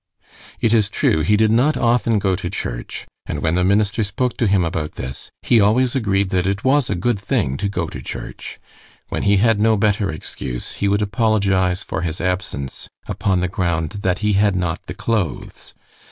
It is true, he did not often go to church, and when the minister spoke to him about this, he always agreed that it was a good thing to go to church. When he had no better excuse, he would apologize for his absence upon the ground "that he had not the clothes."